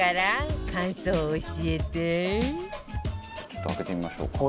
ちょっと開けてみましょうか。